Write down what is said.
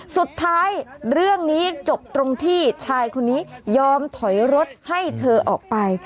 สุดท้ายเรื่องนี้จบตรงที่ชายคนนี้ยอมถอยรถให้เธอออกไป